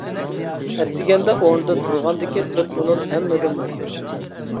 ئەتىگەندە ئورنىدىن تۇرغاندىكى تۆت مىنۇت ھەممىدىن مۇھىم.